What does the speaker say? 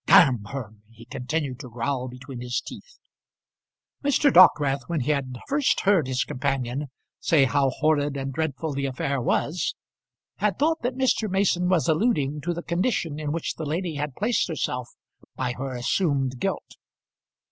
"D her!" he continued to growl between his teeth. Mr. Dockwrath when he had first heard his companion say how horrid and dreadful the affair was, had thought that Mr. Mason was alluding to the condition in which the lady had placed herself by her assumed guilt.